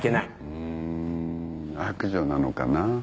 うん悪女なのかな？